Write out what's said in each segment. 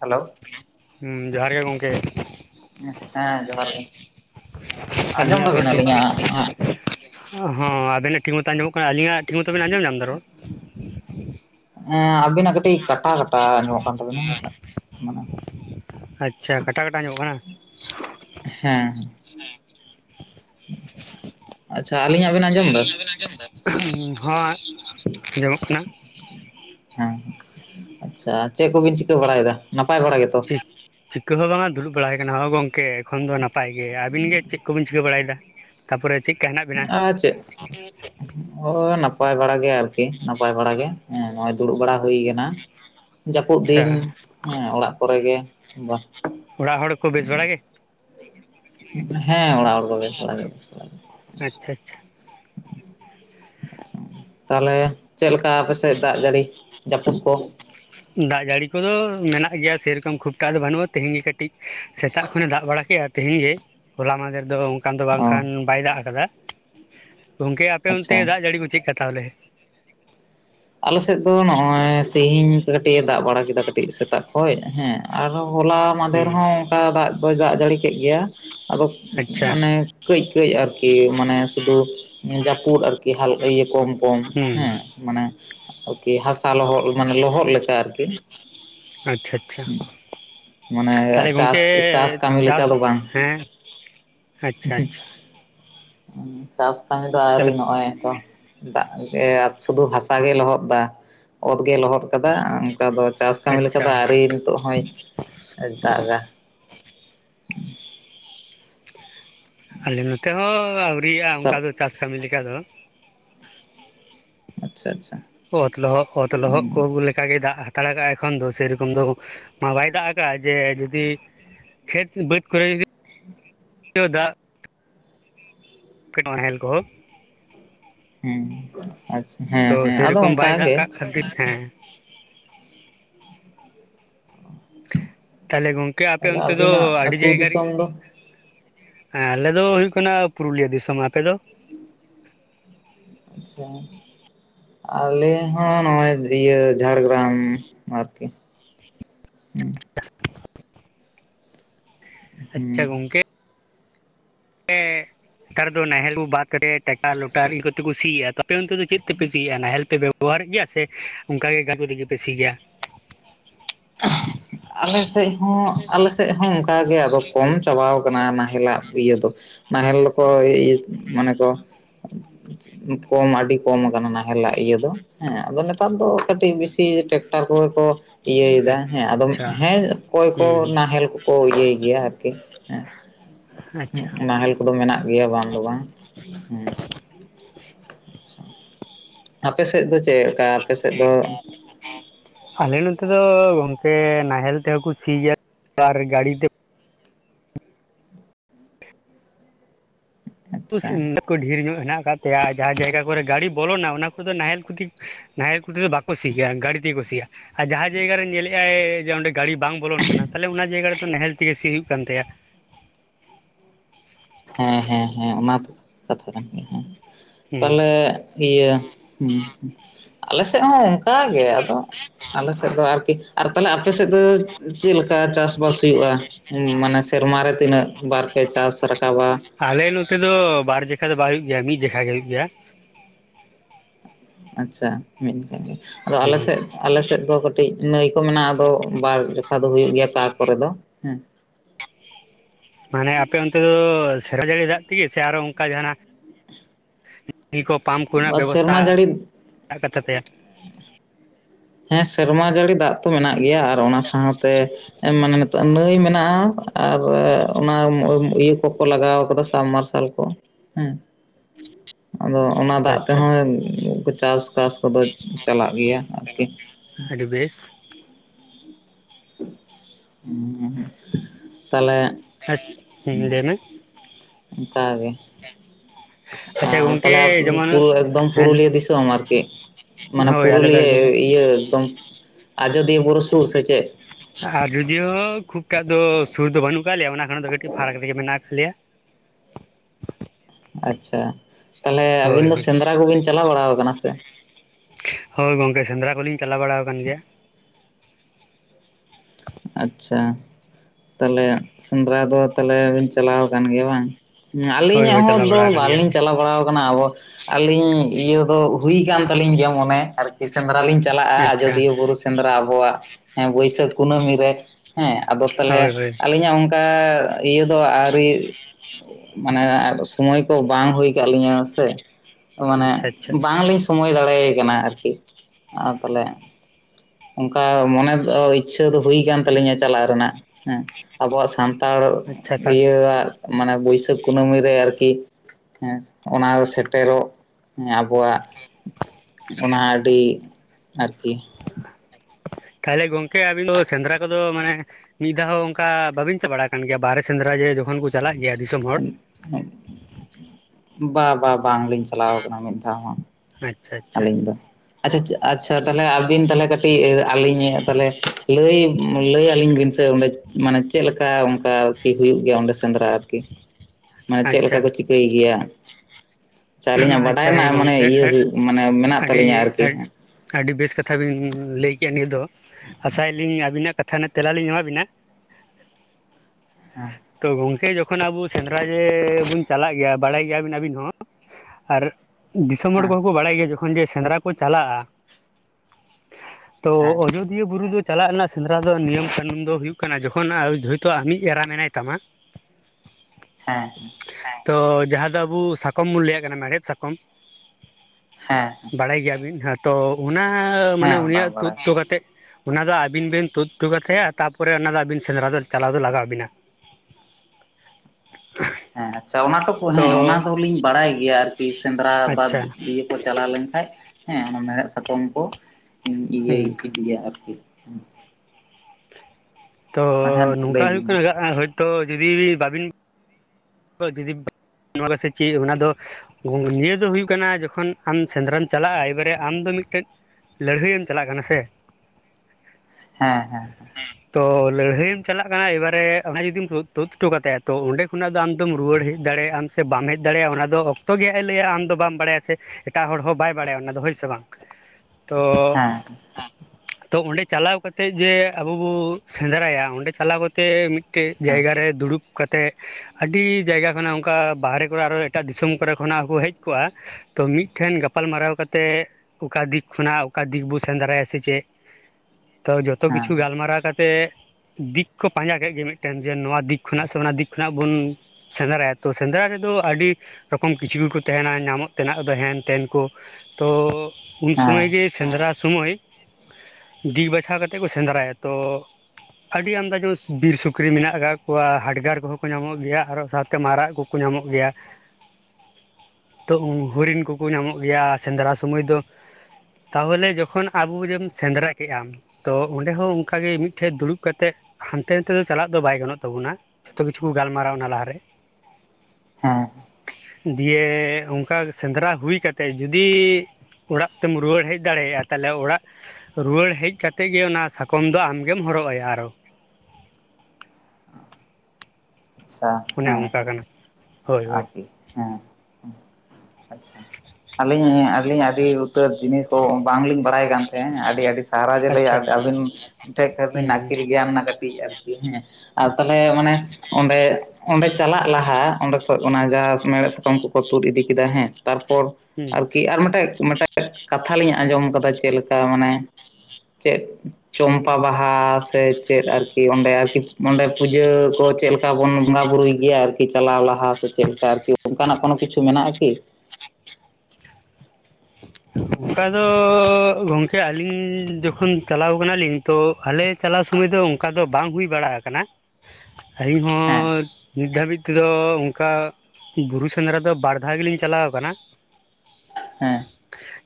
Hello ᱦᱮᱸ ᱡᱚᱦᱟᱨ ᱜᱮ ᱜᱚᱢᱠᱮ ᱦᱮᱸ ᱡᱚᱦᱟᱨ ᱜᱮ ᱟᱸᱡᱚᱢ ᱟᱹᱞᱤᱧᱟᱜ ᱨᱚᱲ ᱫᱟᱵᱤᱱ ᱴᱷᱤᱠ ᱟᱞᱤᱧᱟᱜ ᱦᱚᱸ ᱟᱵᱮᱱᱟᱜ ᱴᱷᱤᱠ ᱢᱚᱛᱚ ᱟᱸᱡᱚᱢᱚᱜ ᱠᱟᱱᱟ ᱟᱞᱤᱧᱟᱜ ᱴᱷᱤᱠ ᱢᱚᱛᱚ ᱵᱮᱱ ᱟᱸᱡᱚᱢ ᱧᱟᱢ ᱮᱫᱟ ᱨᱚᱲ ᱦᱮᱸ ᱟᱵᱤᱱᱟᱜ ᱠᱟᱹᱴᱤᱡ ᱠᱟᱴᱟ ᱠᱟᱴᱟ ᱟᱸᱡᱚᱢᱚᱜ ᱠᱟᱱ ᱛᱟᱵᱤᱱᱟ ᱦᱮᱸᱥᱮ ᱢᱟᱱᱮ ᱟᱪᱪᱷᱟ ᱠᱟᱴᱟ ᱠᱟᱴᱟ ᱟᱸᱡᱚᱢᱚᱜ ᱠᱟᱱᱟ ᱦᱮᱸ [unintelligible] ᱟᱪᱪᱷᱟ ᱟᱞᱤᱧᱟᱜ ᱟᱪᱪᱷᱟ ᱟᱹᱞᱤᱧᱟᱜ ᱵᱤᱱ ᱟᱸᱡᱚᱢᱮᱫᱟ ᱦᱚᱸ ᱟᱸᱡᱚᱢᱚᱜ ᱠᱟᱱᱟ ᱦᱮᱸ ᱟᱪᱪᱷᱟ ᱪᱮᱫ ᱠᱚᱵᱤᱱ ᱪᱤᱠᱟᱹ ᱵᱟᱲᱟᱭᱮᱫᱟ ᱱᱟᱯᱟᱭ ᱵᱟᱲᱟ ᱜᱮᱛᱚ ᱴᱷᱤᱠ ᱪᱤᱠᱟᱹ ᱦᱚᱸ ᱵᱟᱝᱟ ᱫᱩᱲᱩᱵ ᱵᱟᱲᱟᱭ ᱠᱟᱱᱟ ᱜᱚᱝᱠᱮ ᱮᱠᱷᱚᱱ ᱫᱚ ᱱᱟᱯᱟᱭ ᱜᱮ ᱟᱵᱤᱱ ᱜᱮ ᱪᱮᱫ ᱠᱚᱵᱤᱱ ᱪᱤᱠᱟᱹ ᱵᱟᱲᱟᱭᱮᱫᱟ ᱛᱟᱯᱚᱨᱮ ᱪᱮᱫ ᱞᱮᱠᱟ ᱦᱮᱱᱟᱜ ᱵᱤᱱᱟ ᱚᱻ ᱱᱟᱯᱟᱭ ᱵᱟᱲᱟ ᱜᱮ ᱟᱨᱠᱤ ᱱᱟᱯᱟᱭ ᱵᱟᱲᱟᱜ ᱜᱮ ᱦᱮᱸ ᱱᱚᱜ-ᱚᱭ ᱫᱩᱲᱩᱵ ᱵᱟᱲᱟ ᱦᱩᱭ ᱠᱟᱱᱟ ᱡᱟᱹᱯᱩᱫ ᱟᱪᱪᱷᱟ ᱫᱤᱱ ᱦᱮᱸ ᱚᱲᱟᱜ ᱠᱚᱨᱮᱜ ᱜᱮ ᱵᱟ- ᱚᱲᱟᱜ ᱦᱚᱲ ᱠᱚ ᱵᱮᱥ ᱵᱟᱲᱟ ᱜᱮ ᱦᱮᱸ ᱚᱲᱟᱜ ᱦᱚᱲ ᱠᱚ ᱵᱮᱥ ᱵᱟᱲᱟ ᱜᱮ ᱟᱪᱪᱷᱟ ᱟᱪᱪᱷᱟ ᱛᱟᱦᱚᱞᱮ ᱪᱮᱫ ᱞᱮᱠᱟ ᱟᱯᱮ ᱥᱮᱫ ᱫᱟᱜ ᱡᱟᱹᱲᱤ ᱡᱟᱹᱯᱩᱫ ᱠᱚ? ᱫᱟᱜ ᱡᱟᱹᱲᱤ ᱠᱚᱫᱚ ᱢᱮᱱᱟᱜ ᱜᱮᱭᱟ, ᱥᱮᱨᱚᱠᱚᱢ ᱠᱷᱩᱵᱽᱴᱟᱜ ᱫᱚ ᱵᱟᱹᱱᱩᱜᱼᱟ, ᱛᱮᱤᱦᱮᱧ ᱜᱮ ᱠᱟᱹᱴᱤᱡ ᱥᱮᱛᱟᱜ ᱠᱷᱚᱱᱮ ᱫᱟᱜ ᱵᱟᱲᱟ ᱠᱮᱫᱼᱟ᱾ ᱛᱮᱦᱮᱧ ᱜᱮ ᱦᱚᱞᱟ ᱢᱟᱦᱫᱮᱨ ᱫᱚ ᱠᱟᱱ ᱫᱚ ᱚ ᱵᱟᱝᱠᱷᱟᱱ ᱵᱟᱭ ᱫᱟᱜ ᱟᱠᱟᱫᱟ ᱜᱚᱝᱠᱮ ᱟᱯᱮ ᱚᱱᱛᱮ ᱟᱪᱪᱷᱟ ᱫᱟᱜ ᱡᱟᱹᱲᱤ ᱠᱚ ᱪᱮᱫ ᱠᱟ ᱛᱟᱦᱚᱞᱮ ᱟᱞᱮ ᱥᱮᱫ ᱫᱚ ᱱᱚᱜᱼᱚᱭ ᱛᱤᱦᱤᱧ ᱠᱟᱹᱴᱤᱡ ᱮ ᱫᱟᱜ ᱵᱟᱲᱟ ᱠᱮᱫᱟ ᱠᱟᱹᱴᱤᱡ ᱥᱮᱛᱟᱜ ᱠᱷᱚᱱ ᱦᱮᱸ ᱟᱨ ᱦᱚᱞᱟ ᱢᱟᱫᱮᱨ ᱦᱩᱸ ᱦᱚᱸ ᱚᱱᱠᱟ ᱫᱟᱜ ᱫᱚᱭ ᱫᱟᱜ ᱡᱟᱹᱲᱤ ᱠᱮᱫ ᱜᱮᱭᱟ ᱟᱫᱚ ᱟᱪᱪᱷᱟ ᱢᱟᱱᱮ ᱠᱟᱹᱡ ᱠᱟᱹᱡ ᱟᱨᱠᱤ ᱢᱟᱱᱮ ᱥᱩᱫᱷᱩ ᱡᱟᱹᱯᱩᱫ ᱟᱨᱠᱤ ᱦᱟᱞᱠᱟ ᱠᱚᱢ ᱠᱚᱢ ᱦᱩᱸ ᱦᱮᱸ ᱢᱟᱱᱮ ᱟᱨᱠᱤ ᱦᱟᱥᱟ ᱞᱚᱦᱚᱫ ᱢᱟᱱᱮ ᱞᱚᱦᱚᱫ ᱞᱮᱠᱟ ᱟᱨᱠᱤ ᱟᱪᱪᱷᱟ ᱟᱪᱪᱷᱟ ᱢᱟᱱᱮ ᱛᱟᱦᱚᱞᱮ ᱜᱚᱢᱠᱮ ᱪᱟᱥ ᱪᱟᱥ ᱠᱟᱹᱢᱤ ᱪᱟᱥ ᱞᱮᱠᱟ ᱫᱚ ᱵᱟᱝ ᱦᱮᱸ ᱟᱪᱪᱷᱟ ᱟᱪᱪᱷᱟ ᱪᱟᱥ ᱠᱟᱹᱢᱤ ᱫᱚ ᱟᱹᱣᱨᱤ ᱛᱟᱦᱚᱞᱮ ᱱᱚᱜᱼᱚᱭ ᱛᱚ ᱫᱟᱜ ᱜᱮ ᱥᱩᱫᱩ ᱦᱟᱥᱟ ᱜᱮ ᱞᱚᱦᱚᱫ ᱫᱟ ᱚᱛ ᱜᱮ ᱞᱚᱦᱚᱫ ᱠᱟᱫᱟ ᱚᱱᱠᱟ ᱫᱚ ᱪᱟᱥ ᱠᱟᱹᱢᱤ ᱞᱮᱠᱟ ᱟᱪᱪᱷᱟ ᱫᱚ ᱟᱹᱨᱤ ᱱᱤᱛᱚᱜ ᱦᱚᱸᱭ ᱮ ᱫᱟᱜ-ᱟ ᱟᱞᱮ ᱱᱚᱛᱮ ᱦᱚᱸ ᱟᱹᱣᱨᱤᱭᱜᱼᱟ ᱚᱱᱠᱟ ᱛᱚ ᱫᱚ ᱪᱟᱥ ᱠᱟᱹᱢᱤ ᱞᱮᱠᱟ ᱫᱚ᱾ ᱟᱪᱪᱷᱟ ᱟᱪᱪᱷᱟ ᱚᱛ ᱞᱚᱦᱚᱫ ᱚᱛ ᱞᱚᱦᱚᱫ ᱠᱚ ᱦᱩᱸ [inaudible] ᱞᱮᱠᱟ ᱜᱮ ᱫᱟᱜ ᱟᱲᱟᱜ ᱟᱭ ᱮᱠᱷᱚᱱ ᱫᱚ ᱥᱮᱨᱚᱠᱚᱢ ᱫᱚ ᱢᱟ ᱵᱟᱭ ᱫᱟᱜ ᱟᱠᱟᱜᱼᱟ ᱡᱮ ᱡᱩᱫᱤ ᱠᱷᱮᱛ ᱵᱟᱹᱫᱽ ᱠᱚᱨᱮ [inaudible] ᱫᱟᱜ ᱱᱟᱦᱮᱞ ᱠᱚ ᱦᱩᱸ ᱟᱪᱪᱷᱟ ᱦᱮᱸ ᱛᱚ ᱦᱮᱸ ᱟᱫᱚ ᱥᱮᱨᱚᱠᱚᱢ ᱚᱱᱠᱟ ᱵᱟᱭ ᱫᱟᱜ ᱜᱮ ᱠᱟᱜ ᱠᱷᱟᱹᱛᱤᱨ ᱟᱪᱪᱷᱟ ᱛᱮ ᱛᱟᱦᱞᱮ ᱜᱚᱝᱠᱮ ᱟᱯᱮ ᱛᱟᱦᱚᱞᱮ ᱚᱱᱛᱮ ᱫᱚ ᱟᱵᱤᱱᱟᱜ ᱟᱹᱰᱤ ᱟᱹᱛᱩ ᱡᱟᱭᱜᱟ ᱨᱮ ᱫᱤᱥᱚᱢ ᱫᱚ ᱦᱮᱸ ᱟᱞᱮ ᱫᱚ ᱦᱩᱭᱩᱜ ᱠᱟᱱᱟ, ᱯᱩᱨᱩᱞᱤᱭᱟᱹ ᱫᱤᱥᱚᱢ᱾ ᱟᱯᱮ ᱫᱚ? ᱟᱪᱪᱷᱟ ᱟᱞᱮ ᱦᱚᱸ ᱱᱚᱜᱼᱚᱭ ᱤᱭᱟᱹ ᱡᱷᱟᱲᱜᱨᱟᱢ ᱟᱨᱠᱤ ᱦᱮᱸ ᱟᱪᱪᱷᱟ ᱦᱩᱸ ᱜᱚᱝᱠᱮ ᱮ ᱚᱠᱟ ᱨᱮᱫᱚ ᱱᱟᱦᱮᱞ ᱠᱚ ᱵᱟᱫᱽ ᱠᱟᱛᱮ ᱴᱟᱠᱴᱟᱨ ᱞᱚᱴᱟᱨᱤ ᱠᱚᱛᱮ ᱠᱚ ᱥᱤᱭᱮᱫᱼᱟ ᱛᱚ ᱟᱯᱮ ᱚᱱᱛᱮ ᱫᱚ ᱪᱮᱫ ᱛᱮᱯᱮ ᱥᱤ ᱭᱟ ᱱᱟᱦᱮᱞ ᱯᱮ ᱵᱮ ᱵᱮᱵᱚᱦᱟᱨᱮᱫ ᱜᱮᱭᱟ ᱥᱮ ᱚᱱᱠᱟᱜᱮ ᱠᱟᱢᱤ ᱞᱟᱹᱜᱤᱫ ᱯᱮ ᱥᱤ ᱜᱮᱭᱟ? ᱟᱞᱮ ᱥᱮᱫ ᱦᱚᱸ ᱟᱞᱮ ᱥᱮᱫ ᱦᱚᱸ ᱚᱱᱠᱟ ᱜᱮ ᱟᱫᱚ ᱠᱚᱢ ᱪᱟᱵᱟᱣ ᱠᱟᱱᱟ ᱱᱟᱦᱮᱞᱟᱜ᱾ ᱤᱭᱟᱹ ᱫᱚ ᱱᱟᱦᱮᱞ ᱫᱚ ᱠᱚ ᱢᱟᱱᱮ ᱠᱚ ᱠᱚᱢ ᱟᱹᱰᱤ ᱠᱚᱢ ᱠᱟᱱᱟ ᱱᱟᱦᱮᱞᱟᱜ ᱤᱭᱟᱹ ᱫᱚ᱾ ᱦᱮᱸ ᱟᱫᱚ ᱱᱮᱛᱟᱨ ᱫᱚ ᱠᱟᱹᱴᱤᱡ ᱵᱮᱥᱤ ᱴᱨᱟᱠᱴᱟᱨ ᱠᱚᱜᱮ ᱠᱚᱼᱼ ᱦᱮᱸ ᱟᱫᱚᱢ ᱟᱪᱪᱷᱟ ᱦᱮᱸ ᱚᱠᱚᱭ ᱠᱚ ᱦᱩᱸ ᱱᱟᱦᱮᱞ ᱠᱚᱠᱚ ᱤᱭᱟᱹᱭ ᱜᱮᱭᱟ ᱟᱨᱠᱤ ᱟᱪᱪᱷᱟ ᱱᱟᱦᱮᱞ ᱠᱚᱫᱚ ᱢᱮᱱᱟᱜ ᱜᱮᱭᱟ ᱵᱟᱝ ᱫᱚ ᱵᱟᱝ [inaudible] ᱦᱮᱸ ᱟᱯᱮ ᱥᱮᱫ ᱫᱚ ᱪᱮᱫᱠᱟ ᱟᱯᱮ ᱥᱮᱫ ᱫᱚ ᱟᱞᱮ ᱱᱚᱛᱮ ᱫᱚ ᱜᱚᱝᱠᱮ ᱱᱟᱦᱮᱞ ᱛᱮᱦᱚᱸ ᱠᱚ ᱥᱤᱭᱟ ᱟᱨ ᱜᱟᱹᱲᱤ ᱛᱮ ᱟᱪᱪᱷᱟ ᱰᱷᱮᱨ ᱧᱚᱜ ᱦᱮᱱᱟᱜ ᱟᱠᱟᱫ ᱛᱟᱭᱟ᱾ ᱡᱟᱦᱟᱸ ᱡᱟᱭᱜᱟ ᱠᱚᱨᱮ ᱜᱟᱹᱰᱤ ᱵᱚᱞᱚᱱᱟ ᱚᱱᱟ ᱠᱚᱫᱚ ᱱᱟᱦᱮᱞ ᱠᱚᱛᱮ ᱱᱟᱦᱮᱞ ᱠᱚᱛᱮ ᱫᱚ ᱵᱟᱠᱚ ᱥᱤᱭᱟ ᱜᱟᱹᱲᱤ ᱛᱮᱜᱮᱠᱚ ᱥᱤᱭᱟ ᱟᱨ ᱡᱟᱦᱟᱸ ᱡᱟᱭᱜᱟ ᱨᱮ ᱧᱮᱞᱮᱫ ᱟᱭ ᱡᱮ ᱚᱸᱰᱮ ᱜᱟᱹᱰᱤ ᱵᱟᱝ ᱵᱚᱞᱚᱱ ᱠᱟᱱᱟ ᱛᱟᱦᱚᱞᱮ ᱚᱱᱟ ᱡᱟᱭᱜᱟ ᱨᱮᱫᱚ ᱱᱟᱦᱮᱞ ᱛᱮᱜᱮ ᱥᱤ ᱦᱩᱭᱩᱜ ᱠᱟᱱ ᱛᱟᱭᱟ᱾ ᱦᱮᱸ ᱦᱮᱸ ᱦᱮᱸ ᱚᱱᱟ ᱫᱚ ᱠᱟᱛᱷᱟ ᱠᱟᱱ ᱜᱮᱭᱟ ᱦᱮᱸ ᱦᱩᱸ ᱛᱟᱦᱞᱮ ᱤᱭᱟᱹ ᱦᱮᱸ ᱟᱞᱮ ᱥᱮᱫ ᱦᱚᱸ ᱚᱱᱠᱟᱜᱮ ᱟᱫᱚ ᱟᱞᱮᱥᱮᱫ ᱫᱚ ᱟᱨᱠᱤ ᱛᱟᱦᱚᱞᱮ ᱟᱯᱮ ᱥᱮᱫ ᱫᱚ ᱪᱮᱫᱠᱟ ᱪᱟᱥᱵᱟᱥ ᱦᱩᱭᱩᱜᱼᱟ, ᱢᱟᱱᱮ ᱥᱮᱨᱢᱟᱨᱮ ᱛᱤᱱᱟᱹᱜ ᱵᱟᱨᱯᱮ ᱪᱟᱥ ᱨᱟᱠᱟᱵᱟ ᱟᱞᱮ ᱱᱚᱛᱮ ᱫᱚ ᱵᱟᱨ ᱡᱟᱠᱟᱷᱟ ᱫᱚ ᱵᱟᱭ ᱦᱩᱭᱩᱜ ᱜᱮᱭᱟ ᱢᱤᱫ ᱡᱜᱟᱷᱟ ᱜᱮ ᱦᱩᱭᱩᱜ ᱜᱮᱭᱟ᱾ ᱟᱪᱪᱷᱟ ᱢᱤᱫ ᱡᱚᱠᱷᱟ ᱟᱫᱚ ᱟᱞᱮ ᱦᱩᱸ ᱥᱮᱫ ᱟᱞᱮ ᱥᱮᱫ ᱫᱚ ᱠᱟᱹᱴᱤᱡ ᱱᱟᱹᱭ ᱠᱚ ᱢᱮᱱᱟᱜᱼᱟ ᱟᱫᱚ ᱵᱟᱨ ᱡᱚᱠᱷᱟ ᱫᱚ ᱦᱩᱭᱩᱜ ᱜᱮᱭᱟ ᱠᱟ ᱠᱚᱨᱮ ᱫᱚ ᱦᱮᱸ ᱢᱟᱱᱮ ᱟᱯᱮ ᱚᱱᱛᱮ ᱫᱚ ᱥᱮᱨᱢᱟ ᱡᱟᱹᱲᱤ ᱫᱟᱜ ᱛᱮᱜᱮ ᱥᱮ ᱟᱨᱚ ᱚᱱᱠᱟ ᱡᱟᱦᱟᱸᱱᱟᱜ ᱱᱤᱭᱟᱹ ᱠᱚ ᱯᱟᱢ ᱠᱚᱨᱮᱱᱟᱜ ᱵᱮᱵᱚᱥᱛᱟ ᱥᱮᱨᱢᱟ ᱡᱟᱹᱲᱤ ᱦᱮᱱᱟᱜ ᱠᱟᱜ ᱛᱟᱯᱮᱭᱟ ᱦᱮᱸ ᱥᱮᱨᱢᱟ ᱡᱟᱹᱲᱤ ᱫᱟᱜ ᱛᱚ ᱢᱮᱱᱟᱜ ᱜᱮᱭᱟ ᱟᱨ ᱚᱱᱟ ᱥᱟᱶᱛᱮ ᱢᱟᱱᱮ ᱱᱟᱹᱭ ᱢᱮᱱᱟᱜᱼᱟ ᱟᱨ ᱚᱱᱟ ᱤᱭᱟᱹ ᱠᱚᱠᱚ ᱞᱟᱜᱟᱣ ᱠᱟᱫᱟ ᱥᱟᱵ ᱢᱟᱨᱥᱟᱞ ᱠᱚ᱾ ᱦᱩ ᱟᱫᱚ ᱚᱱᱟ ᱫᱟᱜ ᱟᱪᱪᱷᱟ ᱛᱮᱦᱚᱸ ᱪᱟᱥᱵᱟᱥ ᱠᱚᱫᱚ ᱪᱟᱞᱟᱜ ᱜᱮᱭᱟ ᱟᱨᱠᱤ ᱟᱹᱰᱤ ᱵᱮᱥ ᱛᱟᱦᱞᱮ ᱦᱮᱸ ᱞᱟᱹᱭ ᱢᱮ ᱚᱱᱠᱟ ᱜᱮ ᱟᱪᱪᱷᱟ ᱦᱚ ᱜᱚᱝᱠᱮ ᱛᱟᱦᱞᱮ ᱡᱮᱢᱚᱱ ᱯᱩᱨᱟ. ᱮᱠᱫᱚᱢ ᱦᱮᱸ ᱯᱩᱨᱩᱞᱤᱭᱟᱹ ᱫᱤᱥᱚᱢ ᱟᱨᱠᱤ ᱢᱟᱱᱮ ᱦᱳᱭ ᱟᱞᱮ ᱫᱚ ᱯᱩᱨᱩᱞᱤᱭᱟᱹ ᱮᱠᱫᱚᱢ ᱤᱭᱟᱹ ᱮᱠᱫᱚᱢ ᱟᱡᱚᱫᱤᱭᱟᱹ ᱵᱩᱨᱩ ᱥᱩᱨ ᱥᱮ ᱪᱮᱫ ᱟᱨ ᱡᱳᱫᱤᱭ ᱦᱚᱸ ᱠᱷᱩᱵᱴᱟᱜ ᱫᱚ ᱥᱩᱨ ᱫᱚ ᱵᱟᱹᱱᱩᱜ ᱟᱠᱟᱫ ᱞᱮᱭᱟ ᱚᱱᱟ ᱠᱷᱚᱡ ᱫᱚ ᱠᱟᱹᱴᱤᱡ ᱯᱷᱟᱨᱟᱠ ᱨᱮᱜᱮ ᱢᱮᱱᱟᱜ ᱟᱠᱟᱫ ᱞᱮᱭᱟ ᱟᱪᱪᱷᱟ ᱛᱟᱦᱞᱮ ᱦᱳᱭ ᱟᱹᱵᱤᱱ ᱫᱚ ᱦᱳᱭ ᱥᱮᱸᱫᱽᱨᱟ ᱠᱚᱵᱤᱱ ᱪᱟᱞᱟᱣ ᱵᱟᱲᱟ ᱠᱟᱱᱟ ᱥᱮ ᱦᱳᱭ ᱜᱚᱝᱠᱮ ᱥᱮᱸᱫᱽᱨᱟ ᱠᱚᱞᱤᱧ ᱪᱟᱞᱟᱣ ᱵᱟᱲᱟ ᱟᱠᱟᱱ ᱜᱮᱭᱟ ᱟᱪᱪᱷᱟ ᱛᱟᱦᱞᱮ ᱥᱮᱸᱫᱽᱨᱟ ᱫᱚ ᱛᱟᱦᱞᱮ ᱵᱮᱱ ᱪᱟᱞᱟᱣ ᱟᱠᱟᱱ ᱜᱮᱭᱟ ᱵᱟᱝ ᱦᱳᱭ ᱟᱹᱞᱤᱧᱟᱜ ᱦᱳᱭ ᱦᱚᱸ ᱪᱟᱞᱟᱣ ᱫᱚ ᱵᱟᱲᱟ ᱟᱠᱟᱱ ᱵᱟᱞᱤᱧ ᱜᱮᱭᱟᱞᱤᱧ ᱪᱟᱞᱟᱣ ᱵᱟᱲᱟ ᱠᱟᱱᱟ ᱟᱵᱚ ᱟᱹᱞᱤᱧ ᱤᱭᱟᱹ ᱫᱚ ᱦᱩᱭ ᱠᱟᱱ ᱛᱟᱞᱤᱧ ᱜᱮᱭᱟ ᱢᱚᱱᱮ ᱟᱨᱠᱤ ᱥᱮᱸᱫᱽᱨᱟ ᱞᱤᱧ ᱪᱟᱞᱟᱜᱼᱟ ᱟᱪᱪᱷᱟ ᱟᱡᱚᱫᱤᱭᱟᱹ ᱵᱩᱨᱩ ᱥᱮᱸᱫᱽᱨᱟ ᱟᱵᱚᱣᱟᱜ ᱵᱟᱹᱭᱥᱟᱹᱠᱷ ᱠᱩᱱᱟᱹᱢᱤ ᱨᱮ ᱦᱮᱸ ᱟᱫᱚ ᱦᱳᱭ ᱛᱟᱦᱚᱞᱮ ᱦᱳᱭ ᱟᱹᱞᱤᱧᱟᱜ ᱚᱱᱠᱟ ᱤᱭᱟᱹ ᱫᱚ ᱟᱹᱣᱨᱤ ᱢᱟᱱᱮ ᱥᱚᱢᱚᱭ ᱠᱚ ᱵᱟᱝ ᱦᱩᱭ ᱠᱟᱜ ᱞᱤᱧᱟᱹ ᱥᱮ ᱟᱪᱪᱷᱟ ᱢᱟᱱᱮ ᱟᱪᱪᱷᱟ ᱵᱟᱝ ᱞᱤᱧ ᱥᱚᱢᱚᱭ ᱫᱟᱲᱮᱭ ᱠᱟᱱᱟ ᱟᱨᱠᱤ ᱛᱟᱦᱚᱞᱮ ᱚᱱᱠᱟ ᱢᱚᱱᱮ ᱫᱚ ᱤᱪᱪᱷᱟᱹ ᱫᱚ ᱦᱩᱭ ᱟᱠᱟᱱ ᱛᱟᱞᱤᱧᱟ ᱪᱟᱞᱟᱜ ᱨᱮᱱᱟᱜ ᱦᱮᱸ ᱟᱵᱚᱣᱟᱜ ᱥᱟᱱᱛᱟᱲ ᱟᱪᱪᱷᱟ ᱛᱟ ᱤᱭᱟᱹᱣᱟᱜ ᱢᱟᱱᱮ ᱵᱟᱹᱭᱥᱟᱹᱠᱷ ᱠᱩᱱᱟᱹᱢᱤ ᱨᱮ ᱟᱨᱠᱤ ᱦᱮᱸ ᱚᱱᱟ ᱥᱮᱴᱮᱨᱚᱜ ᱟᱵᱚᱣᱟᱜ ᱚᱱᱟ ᱟᱹᱰᱤ ᱟᱨᱠᱤ ᱛᱟᱦᱚᱞᱮ ᱜᱚᱝᱠᱮ ᱟᱵᱤᱱ ᱫᱚ ᱥᱮᱸᱫᱽᱨᱟ ᱠᱚᱫᱚ ᱢᱟᱱᱮ ᱢᱤᱫ ᱫᱷᱟᱣ ᱦᱚᱸ ᱚᱱᱠᱟ ᱵᱟᱹᱵᱤᱱ ᱪᱟ ᱵᱟᱲᱟ ᱠᱟᱱ ᱜᱮᱭᱟ ᱵᱟᱨᱦᱮ ᱥᱮᱸᱫᱽᱨᱟ ᱡᱮ ᱡᱚᱠᱷᱚᱱ ᱠᱚ ᱪᱟᱞᱟᱜ ᱜᱮᱭᱟ ᱫᱤᱥᱚᱢ ᱦᱚᱲ ᱵᱟ ᱵᱟ ᱵᱟᱝᱞᱤᱧ ᱪᱟᱞᱟᱣ ᱠᱟᱱᱟ ᱢᱤᱫ ᱫᱷᱟᱣ ᱦᱚᱸ ᱟᱪᱪᱷᱟ ᱟᱪᱪᱷᱟ ᱟᱹᱞᱤᱧ ᱫᱚ ᱟᱪᱪᱷᱟ ᱟᱪᱪᱷᱟ ᱛᱟᱦᱞᱮ ᱟᱵᱤᱱ ᱛᱟᱦᱞᱮ ᱠᱟᱹᱴᱤᱡ ᱟᱹᱞᱤᱧ ᱛᱟᱦᱞᱮ ᱞᱟᱹᱭ ᱞᱟᱹᱭ ᱟᱹᱞᱤᱧ ᱵᱤᱱ ᱥᱮ ᱚᱸᱰᱮ ᱢᱟᱱᱮ ᱪᱮᱫᱞᱮᱠᱟ ᱚᱱᱠᱟ ᱟᱨᱠᱤ ᱦᱩᱭᱩᱜ ᱜᱮᱭᱟ ᱚᱸᱰᱮ ᱥᱮᱸᱫᱽᱨᱟ ᱟᱨᱠᱤ ᱢᱟᱱᱮ ᱪᱮᱫ ᱟᱪᱪᱷᱟ ᱞᱮᱠᱟ ᱠᱚ ᱪᱤᱠᱟᱹᱭ ᱜᱮᱭᱟ ᱟᱪᱪᱷᱟ ᱟᱹᱞᱤᱧᱟᱜ ᱵᱟᱰᱟᱭ ᱟᱪᱪᱷᱟ ᱦᱮᱸ ᱨᱮᱱᱟᱜ ᱢᱟᱱᱮ ᱤᱭᱟᱹ ᱜᱚᱝᱠᱮ ᱦᱩᱭᱩᱜ ᱢᱟᱱᱮ ᱢᱮᱱᱟᱜ ᱛᱟ ᱞᱤᱧᱟᱹ ᱟᱹᱰᱤ ᱟᱨᱠᱤ ᱦᱮᱸ ᱟᱹᱰᱤ ᱵᱮᱥ ᱠᱟᱛᱷᱟ ᱵᱤᱱ ᱞᱟᱹᱭ ᱠᱮᱜᱼᱟ ᱱᱤᱭᱟᱹ ᱫᱚ ᱟᱥᱟᱭ ᱟᱞᱤᱧ ᱟᱹᱵᱤᱱᱟᱜ ᱠᱟᱛᱷᱟ ᱨᱮᱱᱟᱜ ᱛᱮᱞᱟᱞᱤᱧ ᱮᱢᱟᱵᱤᱱᱟ ᱦᱮᱸ ᱛᱚ ᱜᱚᱝᱠᱮ ᱡᱚᱠᱷᱚᱱ ᱟᱵᱚ ᱥᱮᱸᱫᱽᱨᱟ ᱡᱮ ᱵᱚᱱ ᱪᱟᱞᱟᱜ ᱜᱮᱭᱟ ᱵᱟᱲᱟᱭ ᱜᱮᱭᱟᱵᱤᱱ ᱟᱵᱤᱱ ᱦᱚᱸ ᱟᱨ ᱫᱤᱥᱟᱹᱢ ᱦᱚᱲ ᱦᱮᱸ ᱠᱚᱦᱚᱸ ᱠᱚ ᱵᱟᱲᱟᱭ ᱜᱮᱭᱟ ᱡᱚᱠᱷᱚᱱ ᱠᱷᱚᱱ ᱡᱮ ᱥᱮᱸᱫᱽᱨᱟ ᱠᱚ ᱪᱟᱞᱟᱜᱼᱟ ᱛᱚ ᱦᱮᱸ ᱚᱡᱳᱫ ᱟᱡᱚᱫᱤᱭᱟᱹ ᱵᱩᱨᱩ ᱫᱚ ᱪᱟᱞᱟᱜ ᱨᱮᱱᱟᱜ ᱥᱮᱸᱫᱽᱨᱟ ᱫᱚ ᱱᱤᱭᱚᱢ ᱠᱟᱹᱱᱩᱱ ᱫᱚ ᱦᱩᱭᱩᱜ ᱠᱟᱱᱟ ᱡᱚᱠᱷᱚᱱ ᱦᱟᱸᱜ ᱦᱳᱭᱛᱳ ᱟᱢᱤᱡ ᱮᱨᱟ ᱢᱮᱱᱟᱭ ᱛᱟᱢᱟ ᱦᱮᱸ ᱛᱚ ᱡᱟᱦᱟᱸ ᱫᱚ ᱟᱵᱚ ᱥᱟᱠᱚᱢ ᱵᱚᱱ ᱞᱟᱹᱭᱟᱜ ᱠᱟᱱᱟ ᱢᱮᱲᱦᱮᱫ ᱥᱟᱠᱚᱢ ᱦᱮᱸ ᱵᱟᱲᱟᱭ ᱜᱮᱭᱟ ᱵᱤᱱ ᱛᱚ ᱚᱱᱟ ᱢᱟᱱᱮ ᱦᱮᱸ ᱩᱱᱤᱭᱟᱜ ᱵᱟᱝ ᱛᱩᱫ ᱵᱟᱲᱟᱭ ᱠᱟᱛᱮᱫ ᱚᱱᱟ ᱫᱚ ᱟᱹᱵᱤᱱ ᱵᱤᱱ ᱛᱩᱫ ᱦᱚᱴᱚ ᱠᱟᱛᱟᱭᱟ ᱛᱟᱯᱚᱨᱮ ᱚᱱᱟ ᱫᱚ ᱟᱹᱵᱤᱱ ᱥᱮᱸᱫᱽᱨᱟ ᱫᱚ ᱪᱟᱞᱟᱣ ᱫᱚ ᱞᱟᱜᱟᱣ ᱵᱤᱱᱟ ᱦᱮᱸ ᱟᱪᱪᱷᱟ ᱚᱱᱟ ᱴᱚᱠᱚ ᱛᱚ ᱦᱮᱸ ᱚᱱᱟ ᱫᱚᱞᱤᱧ ᱵᱟᱲᱟᱭ ᱜᱮᱭᱟ ᱟᱨᱠᱤ ᱥᱮᱸᱫᱽᱨᱟ ᱵᱟᱫ ᱟᱪᱪᱷᱟ ᱤᱭᱟ. ᱠᱚ ᱪᱟᱞᱟᱣ ᱞᱮᱱᱠᱷᱟ ᱦᱮᱸ ᱚᱱᱟ ᱢᱮᱲᱦᱮᱫ ᱥᱟᱠᱚᱢ ᱠᱚ ᱤᱭᱟ. ᱦᱮᱸ ᱤᱫᱤᱭᱟ ᱟᱨᱠᱤ ᱛᱚ ᱦᱮᱸ ᱛᱚ ᱱᱚᱝᱠᱟ ᱞᱟᱹᱭ ᱦᱩᱭᱩᱜ ᱵᱤᱱ ᱠᱟᱱᱟ ᱦᱳᱭᱛᱳ ᱡᱩᱫᱤ ᱵᱟᱵᱤᱱ ᱡᱩᱫᱤ ᱥᱮ ᱪᱮᱫ ᱚᱱᱟ ᱫᱚ ᱱᱤᱭᱟᱹ ᱫᱚ ᱦᱩᱭᱩᱜ ᱠᱟᱱᱟ ᱡᱚᱠᱷᱚᱱ ᱟᱢ ᱥᱮᱸᱫᱽᱨᱟᱢ ᱪᱟᱞᱟᱜᱼᱟ ᱮᱭᱵᱟᱨᱮ ᱟᱢ ᱫᱚ ᱢᱤᱫᱴᱮᱡ ᱞᱟᱹᱲᱦᱟᱹᱭᱮᱢ ᱪᱟᱞᱟᱜ ᱠᱟᱱᱟ ᱥᱮ ᱦᱮᱸ ᱦᱮᱸ ᱛᱚ ᱞᱟᱹᱲᱦᱟᱹᱭᱮᱢ ᱪᱟᱞᱟᱜ ᱠᱟᱱᱟ ᱮᱵᱟᱨᱮ ᱚᱱᱟ ᱡᱩᱫᱤᱢ ᱛᱩᱫ ᱦᱚᱴᱚ ᱠᱟᱛᱟᱭᱟ ᱛᱚ ᱚᱸᱰᱮ ᱠᱷᱚᱱᱟᱜ ᱫᱚ ᱟᱢ ᱮᱫᱚᱢ ᱨᱩᱣᱟᱹᱲ ᱦᱮᱡ ᱫᱟᱲᱮᱭᱟᱜᱼᱟᱢ ᱥᱮ ᱵᱟᱢ ᱦᱮᱡ ᱫᱟᱲᱮᱭᱟᱜᱼᱟ ᱚᱱᱟ ᱫᱚ ᱚᱠᱛᱚ ᱜᱮ ᱦᱟᱸᱜ ᱮ ᱞᱟᱹᱭᱟ ᱟᱢ ᱫᱚ ᱵᱟᱢ ᱵᱟᱲᱟᱭᱟ ᱥᱮ ᱮᱴᱟᱜ ᱦᱚᱲ ᱦᱚᱸ ᱵᱟᱭ ᱵᱟᱲᱟᱭᱟ ᱚᱱᱟ ᱫᱚ ᱦᱳᱭ ᱥᱮ ᱵᱟᱝ ᱛᱚ ᱦᱮᱸ ᱛᱚ ᱚᱸᱰᱮ ᱪᱟᱞᱟᱣ ᱠᱟᱛᱮᱜ ᱡᱮ ᱟᱵᱚ ᱵᱚ ᱥᱮᱸᱫᱽᱨᱟᱭᱟ ᱚᱸᱰᱮ ᱪᱟᱞᱟᱣ ᱠᱟᱛᱮ ᱢᱤᱫ ᱢᱤᱫᱴᱮᱡ ᱦᱮᱸ ᱡᱟᱭᱜᱟ ᱨᱮ ᱫᱩᱲᱩᱵ ᱠᱟᱛᱮ ᱟᱹᱰᱤ ᱡᱟᱭᱜᱟ ᱠᱷᱚᱱᱟᱜ ᱚᱱᱠᱟ ᱵᱟᱦᱨᱮ ᱠᱚᱨᱮ ᱟᱨᱚ ᱮᱴᱟᱜ ᱫᱤᱥᱚᱢ ᱠᱚᱨᱮ ᱠᱷᱚᱱᱟᱜ ᱠᱚ ᱦᱮᱡ ᱠᱚᱜᱼᱟ ᱛᱚ ᱢᱤᱫ ᱴᱷᱮᱱ ᱜᱟᱯᱟᱞ ᱢᱟᱨᱟᱣ ᱠᱟᱛᱮᱫ ᱚᱠᱟ ᱫᱤᱠ ᱠᱷᱚᱱᱟᱜ ᱚᱠᱟ ᱫᱤᱠ ᱵᱚ ᱥᱮᱱ ᱫᱟᱨᱟᱭᱟ ᱥᱮ ᱪᱮᱫ, ᱛᱚ ᱡᱚᱛᱚ ᱦᱮᱸ ᱠᱤᱪᱷᱩ ᱜᱟᱞᱢᱟᱨᱟᱣ ᱠᱟᱛᱮᱜ ᱫᱤᱠ ᱠᱚ ᱯᱟᱸᱡᱟ ᱠᱮᱫ ᱜᱮ ᱢᱤᱫᱴᱮᱱ ᱡᱮ ᱱᱚᱣᱟ ᱫᱤᱠ ᱠᱷᱚᱱᱟᱜ ᱥᱮ ᱚᱱᱟ ᱫᱤᱠ ᱠᱷᱚᱱᱟᱜ ᱵᱚᱱ ᱥᱮᱸᱫᱽᱨᱟᱭᱟ ᱛᱚ ᱥᱮᱸᱫᱽᱨᱟ ᱨᱮᱫᱚ ᱟᱹᱰᱤ ᱛᱚᱠᱷᱚᱱ ᱠᱤᱪᱷᱩ ᱫᱤᱱᱠᱚ ᱛᱟᱦᱮᱱᱟ ᱧᱟᱢᱚᱜ ᱛᱮᱱᱟᱜ ᱫᱚ ᱦᱮᱱ ᱛᱮᱱ ᱠᱚ ᱛᱚ ᱩᱱ ᱦᱮᱸ ᱥᱚᱢᱚᱭ ᱜᱮ ᱥᱮᱸᱫᱽᱨᱟ ᱥᱚᱢᱚᱭ ᱫᱤᱠ ᱵᱟᱪᱷᱟᱣ ᱠᱟᱛᱮᱫ ᱠᱚ ᱥᱮᱸᱫᱽᱨᱟᱭᱟ ᱛᱚ ᱟᱹᱰᱤ ᱟᱢᱫᱟ ᱡᱮ ᱵᱤᱨ ᱥᱩᱠᱨᱤ ᱢᱮᱱᱟᱜ ᱟᱠᱟᱫ ᱠᱚᱣᱟ ᱦᱟᱰᱜᱟᱨ ᱠᱚᱦᱚᱸ ᱠᱚ ᱧᱟᱢᱚᱜ ᱜᱮᱭᱟ ᱟᱨᱚ ᱥᱟᱶᱛᱮ ᱢᱟᱨᱟᱜ ᱠᱚᱠᱚ ᱧᱟᱢᱚᱜ ᱜᱮᱭᱟ ᱛᱚ ᱦᱚᱨᱤᱱ ᱠᱚᱠᱚ ᱧᱟᱢᱚᱜ ᱜᱮᱭᱟ ᱥᱮᱸᱫᱽᱨᱟ ᱥᱚᱢᱚᱭ ᱫᱚ ᱛᱟᱦᱚᱞᱮ ᱡᱚᱠᱷᱚᱱ ᱟᱵᱚ ᱡᱮᱢ ᱥᱮᱸᱫᱽᱨᱟ ᱠᱮᱫᱮᱜᱼᱟᱢ ᱛᱚ ᱚᱸᱰᱮ ᱦᱚᱸ ᱚᱱᱠᱟ ᱜᱮ ᱢᱤᱫᱴᱷᱮᱱ ᱫᱩᱲᱩᱵ ᱠᱟᱛᱮᱜ ᱦᱟᱱᱛᱮ ᱱᱟᱛᱮ ᱫᱚ ᱪᱟᱞᱟᱜ ᱫᱚ ᱵᱟᱭ ᱜᱟᱱᱚᱜ ᱛᱟᱵᱚᱱᱟ ᱡᱚᱛᱚ ᱠᱤᱪᱷᱩ ᱠᱚ ᱜᱟᱞᱢᱟᱨᱟᱣᱟ ᱚᱱᱟ ᱞᱟᱦᱟᱨᱮ ᱦᱮᱸ ᱫᱤᱭᱮ ᱚᱱᱠᱟ ᱥᱮᱸᱫᱽᱨᱟ ᱦᱩᱭ ᱠᱟᱛᱮ ᱡᱩᱫᱤ ᱚᱲᱟᱜ ᱛᱮᱢ ᱨᱩᱣᱟᱹᱲ ᱦᱮᱡ ᱫᱟᱲᱮᱭᱟᱜᱼᱟ ᱛᱟᱦᱚᱞᱮ ᱚᱲᱟᱜ ᱨᱩᱣᱟᱹᱲ ᱦᱮᱡ ᱠᱟᱛᱮ ᱜᱮ ᱚᱱᱟ ᱥᱟᱠᱚᱢ ᱫᱚ ᱟᱢᱜᱮᱢ ᱦᱚᱨᱚᱜ ᱟᱭᱟ ᱟᱨᱚ ᱟᱪᱪᱷᱟ ᱚᱱᱮ ᱦᱮᱸ ᱚᱱᱠᱟ ᱠᱟᱱᱟ ᱦᱳᱭ ᱦᱳᱭ ᱟᱨᱠᱤ ᱦᱮᱸ ᱟᱪᱪᱷᱟ ᱟᱹᱞᱤᱧ ᱟᱹᱞᱤᱧ ᱟᱹᱰᱤ ᱩᱛᱟᱹᱨ ᱡᱤᱱᱤᱥ ᱠᱚ ᱵᱟᱝᱞᱤᱧ ᱵᱟᱲᱟᱭ ᱠᱟᱱ ᱛᱟᱦᱮᱸᱫ ᱟᱹᱰᱤ ᱟᱹᱰᱤ ᱥᱟᱨᱦᱟᱣᱮ ᱞᱟᱹᱭᱟ ᱟᱪᱪᱷᱟ ᱟᱹᱵᱤᱱ ᱴᱷᱮᱡ ᱦᱩᱸ ᱠᱷᱚᱱ ᱟᱹᱠᱤᱞ ᱜᱮᱭᱟᱢ ᱱᱟ ᱠᱟᱹᱴᱤᱡ ᱦᱮᱸ ᱟᱨ ᱛᱟᱦᱚᱞᱮ ᱢᱟᱱᱮ ᱚᱸᱰᱮ ᱚᱸᱰᱮ ᱪᱟᱞᱟᱜ ᱞᱟᱦᱟ ᱚᱸᱰᱮ ᱚᱱᱟ ᱡᱟᱦᱟᱸ ᱢᱮᱲᱮᱫ ᱥᱟᱠᱟᱢ ᱠᱚᱠᱚ ᱛᱩᱫ ᱤᱫᱤ ᱠᱮᱫᱟ ᱦᱮᱸ ᱛᱟᱨᱯᱚᱨ ᱦᱩᱸ ᱟᱨᱠᱤ ᱟᱨ ᱢᱤᱫᱴᱮᱫ ᱠᱟᱛᱷᱟᱞᱤᱤᱧ ᱟᱸᱡᱚᱢ ᱟᱠᱟᱫᱟ ᱪᱮᱫ ᱞᱮᱠᱟ ᱢᱟᱱᱮ ᱪᱮᱫ ᱪᱚᱢᱯᱟ ᱵᱟᱦᱟ ᱥᱮ ᱪᱮᱫ ᱟᱨᱠᱤ ᱚᱸᱰᱮ ᱟᱨᱠᱤ ᱚᱸᱰᱮ ᱯᱩᱡᱟᱹ ᱠᱚ ᱪᱮᱫᱠᱟ ᱪᱮᱫᱠᱟ ᱵᱚᱱ ᱵᱚᱸᱜᱟ ᱵᱩᱨᱩᱭ ᱜᱮᱭᱟ ᱟᱨᱠᱤ ᱪᱟᱞᱟᱣ ᱞᱟᱦᱟ ᱥᱮ ᱪᱮᱫ ᱞᱮᱠᱟ ᱟᱨᱠᱤ ᱚᱱᱠᱟᱱᱟᱜ ᱠᱳᱱᱳ ᱠᱤᱪᱷᱩ ᱢᱮᱱᱟᱜᱼᱟ ᱠᱤ ᱚᱱᱠᱟ ᱫᱚ ᱜᱚᱝᱠᱮ ᱟᱹᱞᱤᱧ ᱡᱚᱠᱷᱚᱱ ᱪᱟᱞᱟᱣ ᱠᱟᱱᱟᱞᱤᱧ ᱛᱚ ᱟᱞᱮ ᱪᱟᱞᱟᱣ ᱥᱚᱢᱚᱭ ᱫᱚ ᱚᱱᱠᱟ ᱫᱚ ᱵᱟᱝ ᱦᱩᱭ ᱵᱟᱲᱟ ᱟᱠᱟᱱᱟ ᱟᱹᱞᱤᱧ ᱦᱚᱸ ᱦᱮᱸ ᱱᱤᱛ ᱫᱷᱟᱹᱵᱤᱡ ᱛᱮᱫᱚ ᱚᱱᱠᱟ ᱵᱩᱨᱩ ᱥᱮᱸᱫᱽᱨᱟ ᱫᱚ ᱵᱟᱨ ᱫᱷᱟᱣ ᱜᱮᱞᱤᱧ ᱪᱟᱞᱟᱣ ᱠᱟᱱᱟ ᱦᱮᱸ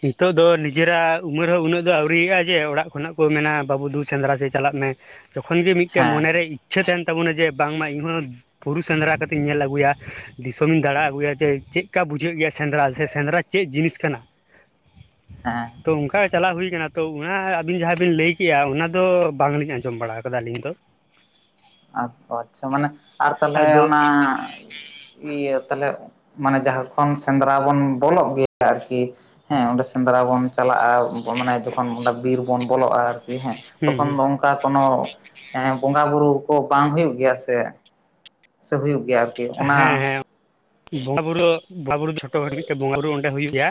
ᱱᱤᱛᱚᱜ ᱫᱚ ᱱᱤᱡᱮᱨᱟᱜ ᱩᱢᱟᱹᱨ ᱦᱚᱸ ᱩᱱᱟᱹᱜ ᱫᱚ ᱟᱹᱣᱨᱤᱭᱮᱫᱼᱟ ᱡᱮ ᱚᱲᱟᱜ ᱠᱷᱚᱱᱟᱜ ᱠᱚ ᱢᱮᱱᱟ ᱵᱟᱹᱵᱩ ᱫᱩ ᱥᱮᱸᱫᱽᱨᱟ ᱥᱮ ᱪᱟᱞᱟᱜ ᱢᱮ ᱡᱚᱠᱷᱚᱱ ᱜᱮ ᱢᱤᱫᱴᱮᱱ ᱦᱮᱸ ᱢᱚᱱᱮᱨᱮ ᱤᱪᱪᱷᱟᱹ ᱛᱟᱦᱮᱸᱱ ᱛᱟᱵᱚᱱᱟ ᱡᱮ ᱵᱟᱝᱢᱟ ᱤᱧᱦᱚᱸ ᱵᱩᱨᱩ ᱥᱮᱸᱫᱽᱨᱟ ᱠᱟᱛᱮᱧ ᱧᱮᱞ ᱟᱹᱜᱩᱭᱟ ᱫᱤᱥᱚᱢᱤᱧ ᱫᱟᱬᱟ ᱟᱹᱜᱩᱭᱟ ᱡᱮ ᱪᱮᱫᱠᱟ ᱵᱩᱡᱷᱟᱹᱜ ᱜᱮᱭᱟ ᱥᱮᱸᱫᱽᱨᱟ ᱥᱮ ᱥᱮᱸᱫᱽᱨᱟ ᱪᱮᱫ ᱡᱤᱱᱤᱥ ᱠᱟᱱᱟ ᱦᱮᱸ ᱛᱚ ᱚᱱᱠᱟ ᱜᱮ ᱪᱟᱞᱟᱣ ᱦᱩᱭ ᱠᱟᱱᱟ ᱛᱚ ᱚᱱᱟ ᱟᱹᱵᱤᱱ ᱡᱟᱦᱟᱸ ᱵᱤᱱ ᱞᱟᱹᱭ ᱠᱮᱫᱮᱜᱼᱟ ᱚᱱᱟ ᱫᱚ ᱵᱟᱝᱞᱤᱧ ᱟᱸᱡᱚᱢ ᱵᱟᱲᱟ ᱟᱠᱟᱫᱟ ᱟᱹᱞᱤᱧ ᱫᱚ ᱟᱪᱪᱷᱟ ᱢᱟᱱᱮ ᱟᱨ ᱛᱟᱦᱚᱞᱮ ᱟᱫᱚ ᱚᱱᱟ ᱤᱭᱟᱹ ᱛᱟᱦᱚᱞᱮ ᱢᱟᱱᱮ ᱡᱟᱦᱟᱸ ᱠᱷᱚᱱ ᱥᱮᱸᱫᱽᱨᱟ ᱵᱚᱱ ᱵᱚᱞᱚᱜ ᱜᱮᱭᱟ ᱟᱨᱠᱤ ᱦᱮᱸ ᱚᱸᱰᱮ ᱥᱮᱸᱫᱽᱨᱟ ᱵᱚᱱ ᱪᱟᱞᱟᱜᱼᱟ ᱢᱟᱱᱮ ᱡᱚᱠᱷᱚᱱ ᱚᱰᱮ ᱵᱤᱨ ᱵᱚᱱ ᱵᱚᱞᱚᱜᱼᱟ ᱟᱨᱠᱤ ᱦᱮᱸ ᱦᱩᱸ ᱛᱚᱠᱷᱚᱱ ᱦᱩᱸ ᱫᱚ ᱚᱱᱠᱟ ᱚᱱᱠᱟ ᱠᱳᱱᱳ ᱵᱚᱸᱜᱟ ᱵᱩᱨᱩ ᱠᱚ ᱵᱟᱝ ᱦᱩᱭᱩᱜ ᱜᱮᱭᱟ ᱥᱮ ᱥᱮ ᱦᱩᱭᱩᱜ ᱜᱮᱭᱟ ᱟᱨᱠᱤ ᱚᱱᱟ ᱦᱮᱸ ᱦᱮᱸ ᱵᱚᱸᱜᱟ ᱵᱩᱨᱩ ᱵᱚᱸᱜᱟ ᱵᱩᱨᱩ ᱫᱚ ᱪᱷᱳᱴᱳ ᱦᱚᱲ ᱢᱤᱫᱴᱮᱱ ᱵᱚᱸᱜᱟ ᱵᱩᱨᱩ ᱚᱸᱰᱮ ᱦᱩᱭᱩᱜ ᱜᱮᱭᱟ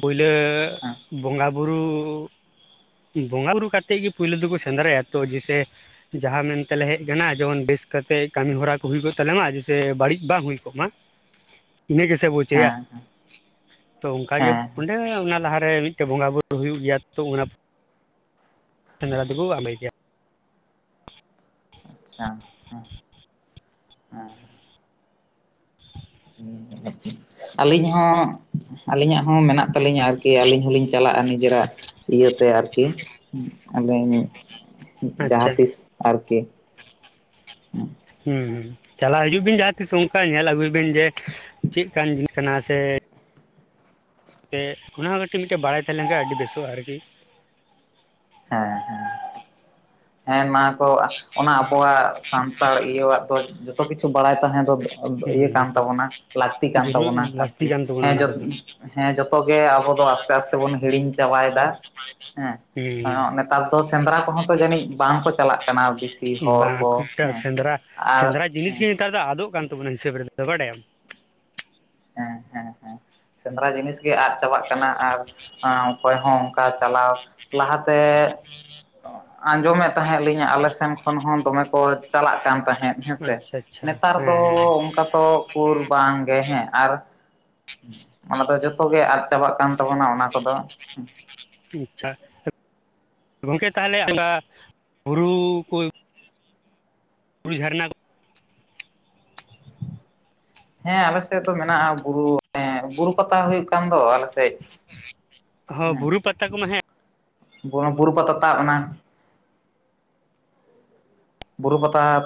ᱯᱳᱭᱞᱳ ᱦᱮᱸ ᱵᱚᱸᱜᱟ ᱵᱩᱨᱩ ᱵᱚᱸᱜᱟ ᱵᱩᱨᱩ ᱠᱟᱛᱮᱫ ᱜᱮ ᱯᱩᱭᱞᱳ ᱫᱚᱠᱚ ᱥᱮᱸᱫᱽᱨᱟᱭᱟ ᱛᱚ ᱡᱮ ᱥᱮ ᱡᱟᱦᱟᱸ ᱢᱮᱱᱛᱮᱞᱮ ᱦᱮᱡ ᱟᱠᱟᱱᱟ ᱡᱮᱢᱚᱱ ᱵᱮᱥ ᱠᱟᱛᱮ ᱠᱟᱹᱢᱤ ᱦᱚᱨᱟ ᱠᱚ ᱦᱩᱭ ᱠᱚᱜ ᱛᱟᱞᱮ ᱢᱟ ᱥᱮ ᱵᱟᱹᱲᱤᱡ ᱵᱟᱝ ᱦᱩᱭ ᱠᱚᱜ ᱢᱟ ᱤᱱᱟᱹ ᱜᱮ ᱥᱮ ᱵᱚ ᱪᱟᱹᱭᱟ ᱦᱮᱸ ᱛᱚ ᱚᱱᱠᱟᱜᱮ ᱦᱮᱸ ᱚᱸᱰᱮ ᱚᱱᱟ ᱞᱟᱦᱟᱨᱮ ᱢᱤᱫ ᱢᱤᱫᱴᱮᱱ ᱵᱚᱸᱜᱟ ᱵᱳᱨᱳ ᱦᱩᱭᱩᱜ ᱜᱮᱭᱟ ᱛᱚ ᱚᱱᱟ ᱟᱞᱟᱹᱭ ᱜᱮᱭᱟ ᱟᱪᱪᱷᱟ ᱦᱮᱸ ᱟᱹᱞᱤᱧ ᱦᱚᱸ ᱟᱹᱞᱤᱧᱟᱜ ᱦᱚᱸ ᱢᱮᱱᱟᱜ ᱛᱟᱹᱞᱤᱧ ᱟᱨᱠᱤ ᱟᱹᱞᱤᱧ ᱦᱚᱞᱤᱧ ᱪᱟᱞᱟᱜᱼᱟ ᱱᱤᱡᱮᱨᱟᱜ ᱤᱭᱟᱹᱛᱮ ᱟᱨᱠᱤ ᱟᱹᱞᱤᱧ ᱟᱪᱪᱷ ᱡᱟᱦᱟᱸ ᱛᱤᱥ ᱟᱨᱠᱤ ᱦᱮᱸ ᱦᱮ ᱪᱟᱞᱟᱣ ᱦᱤᱡᱩᱜ ᱵᱤᱱ ᱡᱟᱦᱟᱸ ᱛᱤᱥ ᱚᱱᱠᱟ ᱧᱮᱞ ᱟᱹᱜᱩᱭ ᱵᱤᱱ ᱡᱮ ᱪᱮᱫ ᱠᱟᱱ ᱡᱤᱱᱤᱥ ᱠᱟᱱᱟ ᱥᱮ ᱚᱱᱟ ᱦᱚᱸ ᱠᱟᱹᱴᱤᱡ ᱢᱤᱫᱴᱮᱱ ᱵᱟᱲᱟᱭ ᱛᱟᱦᱮᱸ ᱞᱮᱱ ᱠᱷᱟᱱ ᱟᱹᱰᱤ ᱵᱮᱥᱚᱜᱼᱟ ᱟᱨᱠᱤ ᱦᱮᱸ ᱦᱮᱸ ᱦᱮ ᱢᱟ ᱛᱚ ᱚᱱᱟ ᱠᱚᱣᱟᱜ ᱥᱟᱱᱛᱟᱲ ᱤᱭᱟᱹᱣᱟᱜ ᱫᱚ ᱡᱚᱛᱚ ᱠᱤᱪᱷᱩ ᱵᱟᱲᱟᱭ ᱛᱟᱦᱮᱸ ᱫᱚ ᱦᱩᱸ ᱤᱭᱟᱹ ᱠᱟᱱ ᱛᱟᱵᱚᱱᱟ ᱞᱟᱹᱠᱛᱤ ᱠᱟᱱ ᱡᱟᱹᱨᱩᱲ ᱛᱟᱵᱚᱱᱟ ᱞᱟᱹᱠᱛᱤ ᱟᱨᱠᱤ ᱠᱟᱱ ᱛᱟᱵᱚᱱᱟ ᱦᱮᱸ ᱚᱱᱟ ᱡᱚ ᱠᱚᱫᱚ ᱦᱮᱸ ᱡᱚᱛᱚ ᱜᱮ ᱟᱵᱚ ᱫᱚ ᱟᱥᱛᱮ ᱟᱥᱛᱮ ᱵᱚᱱ ᱦᱤᱲᱤᱧ ᱪᱟᱵᱟᱭ ᱫᱟ [unintelligible] ᱮ ᱱᱮᱛᱟᱨ ᱫᱚ ᱥᱮᱸᱫᱽᱨᱟ ᱠᱚᱦᱚᱸ ᱛᱚ ᱡᱟᱹᱱᱤᱡ ᱵᱟᱝ ᱠᱚ ᱪᱟᱞᱟᱜ ᱠᱟᱱᱟ ᱵᱮᱥᱤ ᱦᱚᱲ ᱵᱟᱝ ᱠᱚ ᱠᱷᱩᱵᱴᱟ ᱦᱮᱸ ᱥᱮᱸᱫᱽᱨᱟ ᱟᱨ ᱥᱮᱸᱫᱽᱨᱟ ᱡᱤᱱᱤᱥ ᱜᱮ ᱦᱮᱸ ᱱᱮᱛᱟᱨ ᱫᱚ ᱟᱫᱚᱜ ᱠᱟᱱ ᱛᱟᱵᱚᱱᱟ ᱦᱤᱥᱟᱹᱵ ᱨᱮᱫᱚ ᱵᱟᱰᱟᱭᱟᱢ ᱦᱮᱸ ᱦᱮᱸ ᱦᱮᱸ ᱥᱮᱸᱫᱽᱨᱟ ᱡᱤᱱᱤᱥ ᱜᱮ ᱟᱫ ᱪᱟᱵᱟᱜ ᱠᱟᱱᱟ ᱟᱨ ᱚᱠᱚᱭ ᱦᱚᱸ ᱚᱱᱠᱟ ᱪᱟᱞᱟᱣ ᱞᱟᱦᱟᱛᱮ ᱟᱸᱡᱚᱢᱮᱫ ᱛᱟᱦᱮᱸᱫ ᱞᱤᱧ ᱟᱞᱮ ᱥᱮᱱ ᱠᱷᱚᱱ ᱦᱚᱸ ᱫᱚ ᱢᱮ ᱠᱚ ᱪᱟᱞᱟᱜ ᱠᱟᱱ ᱛᱟᱦᱮᱸᱫ ᱦᱮᱸ ᱥᱮ ᱟᱪᱪᱷᱟ ᱟᱪᱪᱷᱟ ᱱᱮᱛᱟᱨ ᱦᱮᱸ ᱫᱚ ᱚᱱᱠᱟ ᱛᱚ ᱩᱠᱩᱨ ᱵᱟᱝ ᱜᱮ ᱦᱮᱸ ᱟᱨ ᱚᱱᱟ ᱫᱚ ᱡᱚᱛᱚ ᱜᱮ ᱟᱫ ᱪᱟᱵᱟᱜ ᱠᱟᱱ ᱛᱟᱵᱚᱱᱟ ᱚᱱᱟ ᱠᱚᱫᱚ ᱟᱪᱪᱷᱟ ᱜᱚᱝᱠᱮ ᱛᱟᱦᱚᱞᱮ ᱦᱩᱨᱩ ᱠᱚ ᱵᱩᱨᱩ ᱡᱷᱟᱨᱱᱟ ᱠᱚ ᱦᱮᱸ ᱟᱞᱮ ᱥᱮᱫ ᱫᱚ ᱢᱮᱱᱟᱜᱼᱟ ᱵᱩᱨᱩ ᱵᱩᱨᱩ ᱯᱟᱛᱟ ᱦᱩᱭᱩᱜ ᱠᱟᱱ ᱫᱚ ᱟᱞᱮ ᱥᱮᱫ ᱦᱚᱸ ᱦᱮᱸ ᱵᱩᱨᱩ ᱯᱟᱛᱟ ᱠᱚᱢᱟ ᱦᱮᱸ ᱵᱩᱨᱩ ᱯᱟᱛᱟ ᱛᱟᱵ ᱮᱱᱟ ᱵᱩᱨᱩ ᱯᱟᱛᱟ